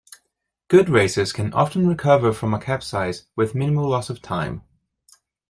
Good racers can often recover from a capsize with minimal loss of time.